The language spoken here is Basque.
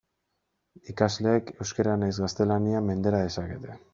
Ikasleek euskara nahiz gaztelania mendera dezakete.